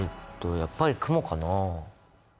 やっぱりクモかな？